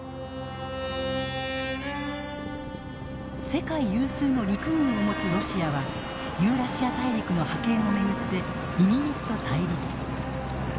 世界有数の陸軍を持つロシアはユーラシア大陸の覇権を巡ってイギリスと対立。